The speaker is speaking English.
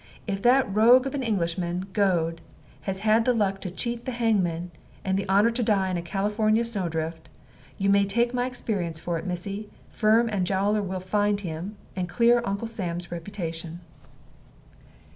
If that rogue of an Englishman, Goad, has had the luck to cheat the hangman, and the honor to die in a Californy snow drift, you may take my experience for it, missy, Firm and Jowler will find him, and clear Uncle Sam's reputation."